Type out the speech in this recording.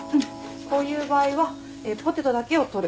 こういう場合はポテトだけを取る。